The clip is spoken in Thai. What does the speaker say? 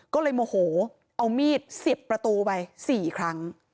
ก็เลยโมโหเอามีดเสียบประตูไป๔ครั้ง